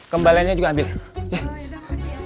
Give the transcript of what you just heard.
kembaliannya juga ambil ya